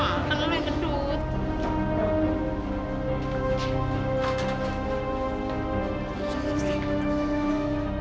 makan lo yang gedut